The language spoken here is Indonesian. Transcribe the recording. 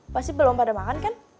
pasti belum pada makan kan